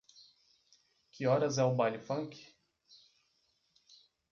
Que horas é o baile funk.